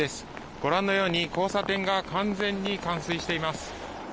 ご覧のように交差点が完全に冠水しています。